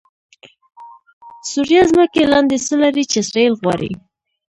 سوریه ځمکې لاندې څه لري چې اسرایل غواړي؟😱